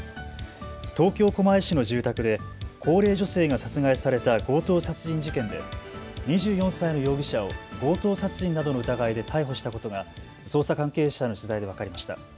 東京狛江市の住宅で高齢女性が殺害された強盗殺人事件で２４歳の容疑者を強盗殺人などの疑いで逮捕したことが捜査関係者への取材で分かりました。